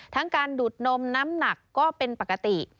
ทั้งการดูดนมน้ำหนักก็เป็นปกติ